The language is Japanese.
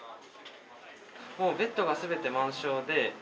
もうベッドが全て満床で。